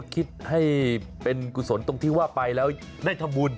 คิดให้เป็นกุศลตรงที่ว่าไปแล้วได้ทำบุญ